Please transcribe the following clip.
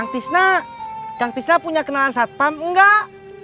tisna kang tisna punya kenalan satpam enggak